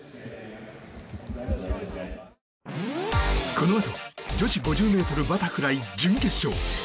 このあと女子５０ｍバタフライ準決勝。